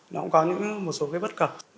nó cũng có những một số cái bất cập